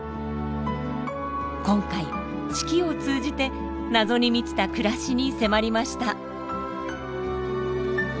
今回四季を通じて謎に満ちた暮らしに迫りました。